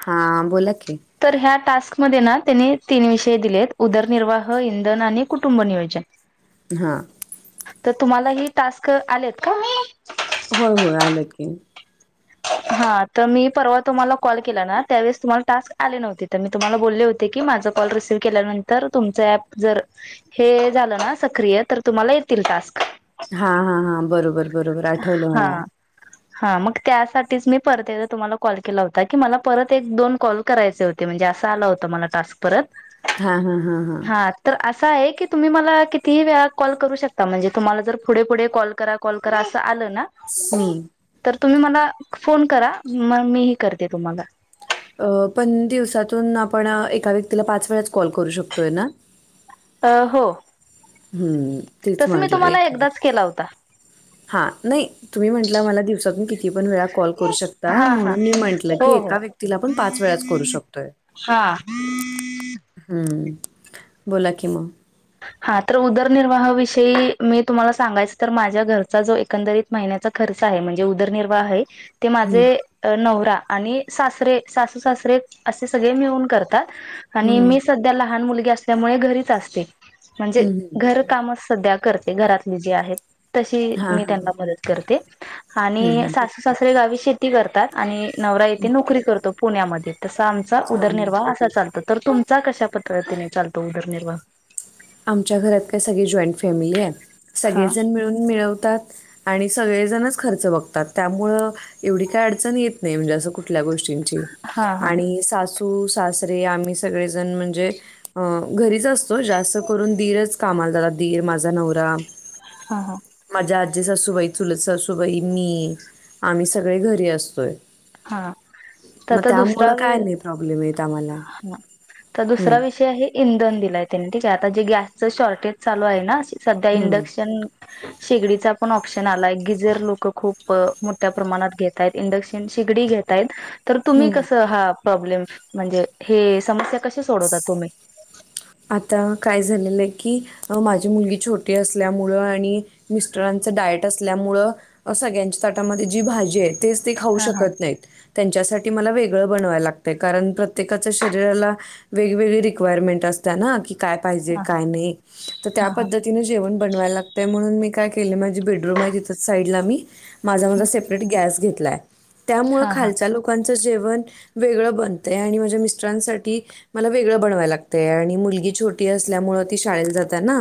हा... बोला की तर ह्या टास्कमध्ये ना... त्यांने तीन विषय दिले आहेत. उदरनिर्वाह, इंधन आणि कुटुंब नियोजन [inaudible] हां. तर तुम्हाला हे टास्क आलेत का? होय होय आलंत की हा... तर मी परवा तुम्हाला कॉल केला ना... त्यावेळेस तुम्हाला टास्क आले नव्हते तर मी तुम्हाला बोलले होते की.... माझा कॉल रिसीव्ह केल्यानंतर.. तुमच ऍप जर हे झालं ना... सक्रिय.. तर तुम्हाला येतील टास्क हा हा हा... बरोबर बरोबर... आठवलं हा मला हा मग त्यासाठी तेच मी परत एकदा तुम्हाला कॉल केला होता... की मला परत एक दोन कॉल करायचे होते... म्हणजे असं आला होतं मला टास्क. परत हा हा हा हा. हा.... तर असं आहे की... तुम्ही मला कितीही वेळा कॉल करू शकता... म्हणजे तुम्हाला जर फूढे फूढे कॉल करा... हा कॉल करा असं आलं ना हम्म. तर तुम्ही मला फोन करा.. मग मी ही करते तुम्हाला अ... पण दिवसातून आपण एका व्यक्तीला पाच वेळच कॉल करू शकतोय ना? अं... हो. हम्म... तीच तसं मी म्हटलं तुम्हाला एक [unintelligible] एकदाच केला होता हा नाही तुम्ही म्हंटला मला दिवसातून किती पण वेळा कॉल करू शकता हा हा म्हणून मी म्हंटल की हो एका व्यक्तीला पण पाच वेळाच करू शकतोय. हां हम्म बोला की मग. हा तर उदरनिर्वाहाविषयी मी तुम्हाला सांगायच तर माझ्या घरचा जो एकंदरीत महिन्याचा खर्च आहे म्हणजे उदरनिर्वाह आहे. ते हम्म माझे नवरा आणि सासरे सासू सासरे असे सगळे मिळून करतात. आणि हम्म मी सध्या लहान मुलगी असल्यामुळे घरीच असते म्हणजे हम्म हम्म. घर कामच सध्या करते घरातली जी आहे तशी हां मी हां त्यांना मदत करते. हम्म आणि हम्म सासू सासरे गावी शेती करतात आणि नवरा येथे नोकरी करतो पुण्यामध्ये. तसा आमचा हां हां. उदरनिर्वाह असा चालतो तर तुमचा कशा पद्धतीने चालतो उदरनिर्वाह? आमच्या घरात काय सगळी जॉईंट फॅमिली आहे हा सगळेजण मिळून मिळवतात. आणि सगळेजणच खर्च बघतात त्यामुळ एवढी काय अडचण येत नाही म्हणजे असं कुठल्या गोष्टीं ची हा हा आणि सासू सासू सासरे आम्ही सगळे जण म्हणजे घरीच असतो जास्त करून दिर कामाला जातात दीर माझा नवरा. हा हां माझ्या आजे सासूबाई चुलत सासूबाई मी आम्ही सगळे घरी असतोय. हां तर मग तर दुसरा त्यामुळं काय नाही प्रॉब्लेम येत आम्हाला हा तर हम्म दुसरा विषय आहे. इंधन दिलय त्यांनी ठीक आहे आता जे गॅसच शॉर्टेज चालू आहे ना सध्या हम्म इंडक्शन. शेगडीचा पण ऑप्शन आलाय गिजर लोक खूप मोठ्या प्रमाणात घेत आहेत इंडक्शन शेगडी घेतायत तर तुम्ही हम्म कस प्रॉब्लेम म्हणजे हे समस्या कस सोडवता तुम्ही? आता काय झालेल आहे की माझी मुलगी छोटी असल्यामुळ आणि मिस्टरांच डायट असल्यामुळ सगळ्यांच्या ताटामध्ये जी भाजी आहे. तेच ते खाऊ हा हा शकत नाहीत. त्यांच्यासाठी मला वेगळ बनवायला लागतंय कारण प्रत्येकाच शरीराला वेगवेगळी रिक्वायरमेंट असतं ना की काय पाहिजे हा काय नाही तर त्या हा हा पद्धतीने त जेवण बनवायला लागतय म्हणून मी काय के माझी बेडरूम आहे तिथ साईडला मी माझा माझा सेपरेट गॅस घेतलाय त्यामुळे हा हा खालच्या लोक लोकांच जेवण वेगळ बनतंय आणि माझ्या मिस्टरांसाठी मला वेगळ बनवाय लागत. ते आणि मुलगी छोटी असल्यामुळे ती शाळेत जातात ना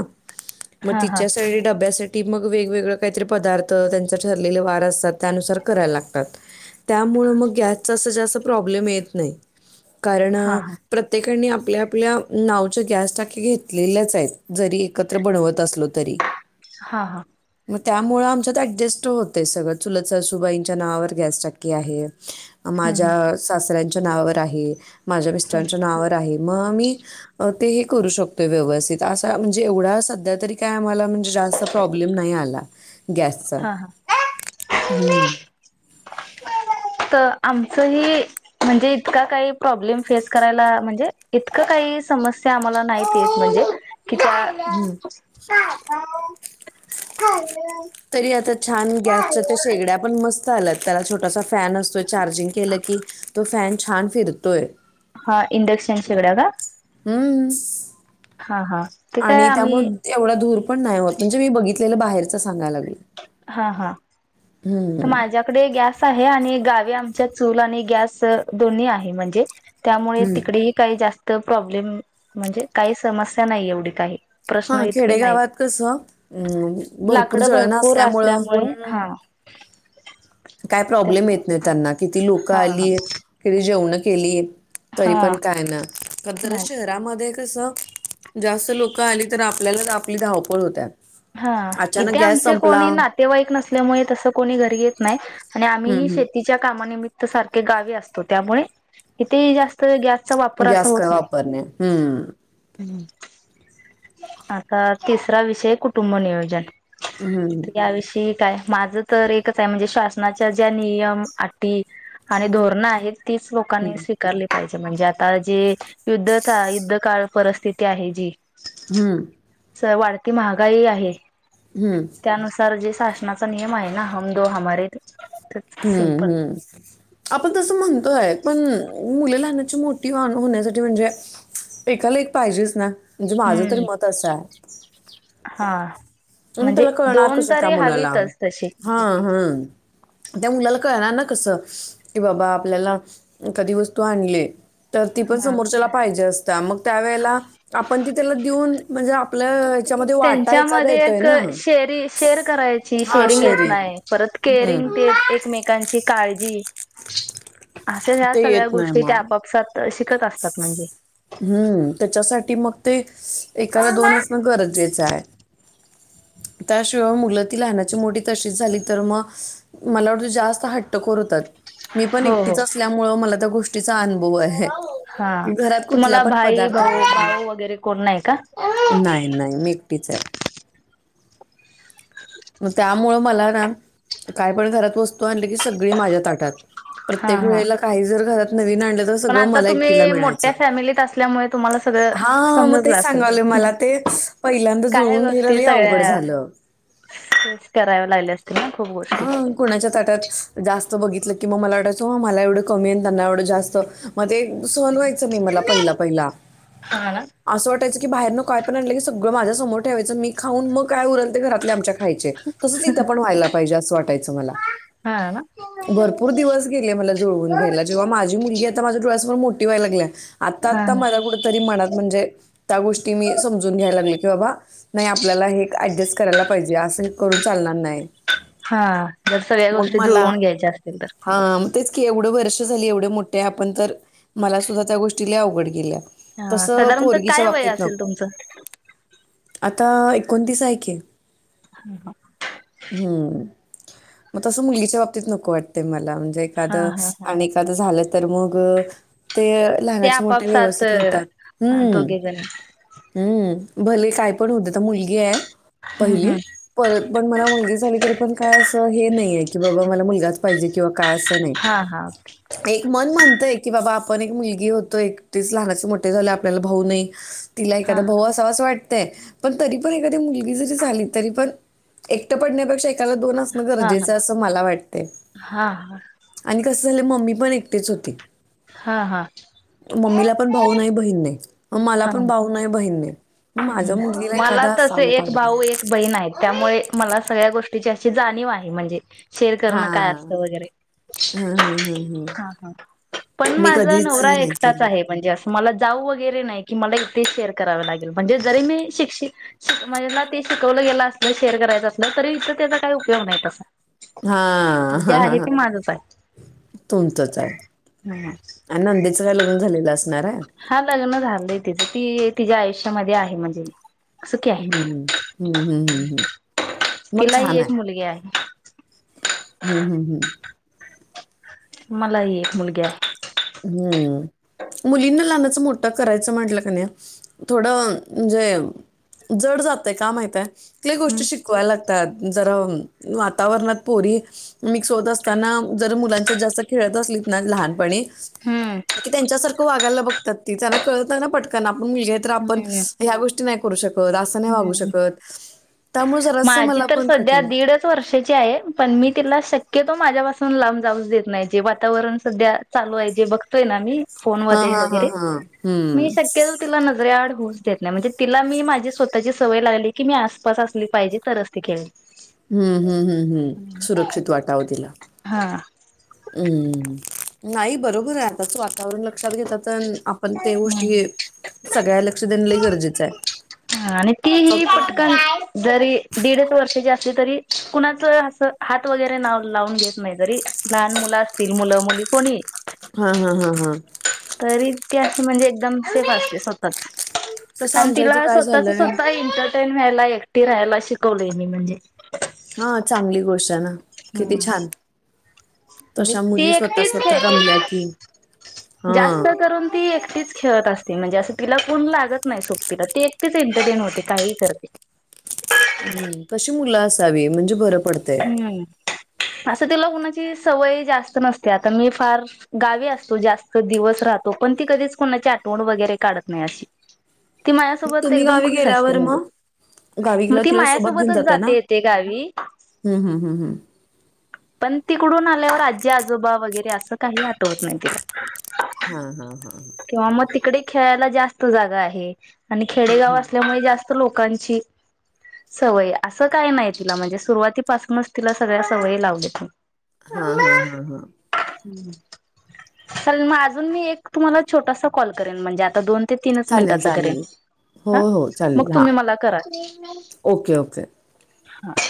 मग हा हा हा तिच्यासाठी डब्यासाठी ती मग वेगवेगळ काहीतरी पदार्थ त्यांचा ठरलेल वार असतात त्यानुसार करायला लागतात. त्यामुळ मग गॅसच असं जास्त प्रॉब्लेम येत नाही, कारण हा हा प्रत्येकाने आपल्या आपल्या, नावच्या गॅस टाकीे घेतलेल्याच आहेत, जरी एकत्र बनवत असलो तरी. हां हां, मग त्यामुळ आमच्यात ऍडजस्ट होत सगळं, चुलत ससूबाईंच्या नावावर गॅस टाकी आहे. माझ्या हम्म सासऱ्यांच्या नावावर आहे, माझ्या हम्म मिस्टरांच्या नावावर आहे, मग आम्ही ते हे करू शकतोय व्यवस्थित, असा म्हणजे एवढा सध्या तरी काय आम्हाला म्हणज जास्त प्रोब्लेम नाही आला, गॅस चा हा हं. हा तर आमचं हे म्हणजे इतका काही प्रॉब्लेम फेस करायला, म्हणजे इतक काही समस्या आम्हाला नाहीत येत म्हणजे. हम्म. ह [unintelligible] तरी आता छान गॅसच्या त्या शेगड्या पण मस्त आल्यात त्याला छोट सा फॅन असतोय चार्जिंग केलं की तो फॅन छान फिरतोय हा इंडक्शन शेगड्या का हम्म हा हा ते काय आणि त्यामु आम्ही एवढा धुर पण नाही होत म्हणजे मी बघितलेलं बाहेरच सांगायला लागलेय हा, हा तर माझ्या इकडे गॅस आहे आणि गावी आमच्या चूल आणि गॅस दोन्ही आहे म्हणजे त्यामुळे हम्म तिकडेही काही जास्त प्रॉब्लेम म्हणजे काही समस्या नाही एवढी काही प्रश्न हा इतके खेडेगावात नाहीत कस भरपूर जळण अस आसल्यामुळे हा काय प्रॉब्लेम त्यामुळे येत नाही त्यांना किती लोकं हा हा आली किती जेवणं केली तरी पण हा काय नाय तर नाही शहरामध्ये कसं जास्त लोक आली तर आप आपल्यालाच आपली धावपळ होत्या हा अचानक इथे गॅस आमचे संपला कोणी नाते हम्म तेवाईक नसल्यामुळे तस कोणी घरी येत नाही आणि आम्ही शेती हम्म च्या कामानिमित्त सारखे गावी असतो त्यामुळे इथेही जास्त गॅसचा वापर असा गॅस होत काय वापरणे हम्म नाही हम् आता तिसरा विषय कुटुंब नियोजन हम्म त्या याविषयी काय माझं तर एकच आहे म्हणजे शासनाच्या ज्या नियम, अटी आणि धोरणं आहेत तीस लोकांनी हम्म शिक कारली पाहिजे म्हणजे आता जी युद्ध काळ, युद्ध काळ परिस्थिती आहे जी हम्म स वाढती महागाई आहे हम्म त्यानुसार जे शासनाचा नियम आहे ना हम दो हमारे दो हम्, हम आपण तसं म्हणतोय पण मुल लहानाची मोठी वा होण्यासाठी म्हणजे एकाला एक पाहिजेच ना म्हणजे माझं तरी हम्म मत असं आहे हा मग म्हणजे त्याला दोन तरी हवीतच तशी हा, हा त्या मुलाला कळणार ना कसं की बाबा आपल्याला एखादी वस्तू आणली तर ती पण हा समोरच्याला पाहिजे असत्या मग त्यावेेळेला आपण ती त्याला देऊन म्हणजे आपलं हच्यामध्ये वाटा एखाद्या क शेरी शेअर करायची हां शेरींग एत शेअरिंग नाही परतं केरींग हम्म ते एकमेकांची काळजी अशे ह्या ते सगळ्या येत नाही गोष्टी त्या मग आपापसात शिकत असतात म्हणजे हम्म त्याच्यासाठी मग ते एकाला दोन असणं गरजेचं आहे त्याशिवाय मुलं ती लहानाची मोठी तशीच झाली तर मग मला वाटतं जास्त हट्टखोर होतात मी पण हो हो एकटीच असल्यामुळे मला त्या गोष्टीचा अनुभव आहे की घरात कु ला भाई भाऊ, भाऊ वगैरे कोण नाही का नाही नाही मी एकटीच आहे मग त्यामुळं मला ना काय पण घरात वस्तू आणली की, सगळी माझ्या ताटात हा प्रत्येक हा वेळेला काही जर घरात नवीन आण पण सगळ आता मला एकटीला तुम्ही मिळायच, मोठ्या फॅमिलीत असल्यामुळे तुम्हाला सगळं हा मग समजतलं तेच असेल. सांगालोय मला तेच पहिल्यांदा जुळवून घेन लंयअवघड झालं. खुश करायला लागले असते ना खूप गोष्टी. कोणाच्या ताटात जास्त बघितलं की मग, मला वाटायचं मला एवढं कमी त्यांना एवढं जास्त मध्ये सन व्हायचं नाही हा मला ना पहिला पहिला. हा असं वाटायं की बाहेरनं काय पण आणलंकी सगळ माझ्या समोर ठेवायं मी खाऊन मग, काय उरल ते घरातल्या आमच्या खायचे, तसेच इथ पण होयाला पाहिजे असं वाटायचं मला, ना. भरपूर दिवस गेले मला जुळवून घ्यायला जेव्हा माझ्या जी मुलगी माझ्या डोळ्यासमोर मोठी व्हायला लागल्या, आत्ता हा हा आत्ता मला कुठ तरी मनात म्हणजे त्या गोष्टी मी समजून घ्यायला लागले, की अबा नाही आपल्याला हे ऍडजस्ट करायला पाहिजे, असं करून चालणार नाही. हा जर सगळ्या गोष्टी जुळवून घ्यायच्या असतील तर. हांम तेच की एवढं वर्ष झाली एवढे मोठे आपण तर, मला सुुद्धा त्या गोष्टी आवघड गेल्या. हा तसं साधारणतः पोरगीच्या काय वय बाबतीत असेल नको, तुमचं? आता एकोणतीस हाय की. [unintelligible] हम्म मग तसं मुलगीच्या बाबतीत नको वाटतेय मला, म्हणजे हा एखादं हा हा अ आणि झालं तर मग ते ते लहानाचे मोठे आपापसात व्यवस्थित होतात, हम्म. दोघे जण हम्म भले काय पण होदे, आता मुलगी आहे हम्म पहिली. हम्म परत पण मला मुलगी झाली तरी पण काय असं हे नाही, आहे की बाबा मला मुलगाच पाहिजे किंवा काय असं नाही. हा हा एक मन म्हणतय की बाबा आपण एक मुलगी होतो, एकटीच लहानाचे मोठे झाले आपल्याला भाऊ नाही तिला हा एखादा हा भाऊ असावा असं वाटतंय, पण तरी पण एखादी मुलगी जरी झाली तरी पण एकट पडण्यापेक्षा एकाला दोन असणं हा हा गरजेचं असं मला वाटते. हा आणि कसं झालं मम्मी पण एकटीच होती. हा हा. मम्मीला पण भाऊ नाही बहीण नाही, मग मला हा पण हा भाऊ नाही बहीण नाही. मग माझ्या मुलगीला मला एखादा तसे असावं एक पाठबळ भाऊ एक बहीण आहे त्यामुळे मला सगळ्या गोष्टीची अशी जाणीव आहे म्हणजे शेअर हा करणं काय असत हं, वगैरे हं, हं, हं. हा ह. पण मी माझा कधीच नवरा नाही एकटाच केलं आहे, म्हणजे असं मला जाऊ वगैरे नाही की मला इथे शेअर कराववे लागेल. म्हणजे जरी मी शिक्षि म्हणजे ना ते शिकवलं गेलं असलं शेअर करायच असलं तरी इथ त्याचा काही उपयोग नाही तसा. हा जे आहे ह ते माझंच तुमचंच आहे. आहे नंदीचं लग्न झालेलं असणार आहे. हा लग्न झालंय तिचं, ती तिच्या आयुष्यामध्ये आहे आहे म्हणजे सुखी आहे. हम्म हम हम्म हम हम. तिला ही एक मुलगी आहे. हम हम हम. मला ही एक मुलगी आहे. हम्म मुलींना लहानाचं मोठा करायचं म्हटलं का न थोड म्हणजे जड जातय का माहित हाय कुठली गोष्ट हम्म शिक शिकय‌ लागतात, जरा वातावरणात पोरी मिक्स होत असताना जर मुलांच्या जास्त खेळत असलीत ना लहानपणी. हम्म. की त्यांच्यासारखं वागायला बघतात ती. त्यांना कळत नाही ना पटकना आपण मुलगी तर आपण हम्म ह्या गोष्टी करू शकत अस नाही वागू हम्म शकत. त्यामुळे जरास माझी मला तर पण सध्या कठीण होतय. दीडच वर्षाची आहे. पण मी तिला शक्यतो माझ्यापासून लांब जाऊच देत नाही. म्हणजे वातावरण सध्या चालू आहे. जे बघतोय ना मी. फोन हां, मधे हां, हां, वगैरे. हां. मी हं. शक्यतो तिला नजरे आड होऊच देत नाही म्हणजे तिला मी माझी स्वतःची सवय लागली की मी आसपास ली पाहिजे तरच ती खे हम्म हम्म हम्म हम्म. सुरक्षित वाटाव तिला. हा हा हम्म. नाही बरोबर आहे आताच वातावरण लक्षात घेता तेन. पण ते गोष्टी सगळ्या लक्ष देण लई गरजेचं आहे. हा आणि तीही फक्त पटकन हां, जरी दीडच वर्षाची असली तरी कुणाच असं हात वगैरे नाव लावून घेत नाही. जरी लहान मुलं असतील, मुलं मुली कोणीही. हा हा हा हा. तरी ते अस म्हणजे एकदम सेफ असते स्वतःच. तसं आणि आमच्या इथं तिला काय स्वतःचा झालंय स्वत एंटरटेन व्हायला, एकटी राहायला शिकवलेय मी, म्हणजे हा चांगली गोष्ट आहे ना. किती हम्म. छान! म्हणजे तश्या ती मुली स्वतः एकटीच स्वतः खेळते. रमल्या की हां. जास्त करून ती एकटीच खेळत असते. म्हणजे असं तिला कोण लागत नाही सोबतीला. ती एकटीच एंटरटेन होते काहीही करते. तशी मुलं असावी, म्हणजे बरं पडतय. हम्. असं तीला कुणाची सवय जास्त नसते, आता मी फार गावे असतो जास्त दिवस राहतो, पण ती कधीच कोणाची आठवण वगैरे काढत नाही अशी. ती मग माझ्यासोबत तुम्ही एकदम गावी खुश असते गेल्यावर म्हणजे. मग? गावी मग गेल्यावर ती तिला माझ्यासोबतच जाते येते गावी. हम हम हम हम. पण तिकडून आल्यावर आजी आजोबा वगैरे असं काहीही आठवत नाही तिला. हा हा हा हा. किंवा मग तिकडे खेळायला जास्त जागा आहे, आणि हं, खेडेगाव हं. असल्यामुळे जास्त लोकांची सवयी असं काय नाही तिला. म्हणजे सुरुवातीपासूनच तिला सगळ्या सवयी लावलेत मी. हा हा हा हा. तर मगअजून मी एक तुम्हाला छोटासा कॉल करेन म्हणजे आता दोन ते तीनच चालेल मिनिटाचा करेन. चालेल हो हा. हो मग चालेल हां तुम्ही मला करा. ओके ओके हा.